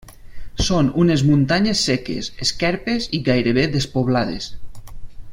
Són unes muntanyes seques, esquerpes i gairebé despoblades.